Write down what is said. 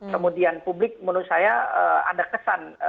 kemudian publik menurut saya ada kesan